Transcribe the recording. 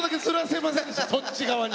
そっち側に。